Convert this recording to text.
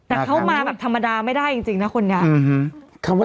แต่เขามาแบบธรรมดาไม่ได้จริงนะคนนี้